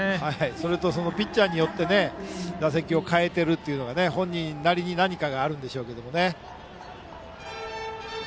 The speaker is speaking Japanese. それとピッチャーによって打席を変えているというのが本人なりに何かがあるんでしょうけどね。